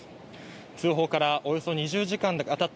通報からおよそ２０時間がたった